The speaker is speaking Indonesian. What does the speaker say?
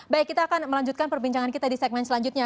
baik kita akan melanjutkan perbincangan kita di segmen selanjutnya